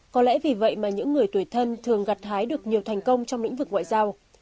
có lẽ vì vậy mà những người tuổi thân thường gặt hái được nhiều thành công trong lĩnh vực ngoại giao